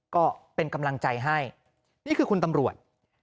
ก็เป็นกำลังใจให้นี่คือคุณตำรวจ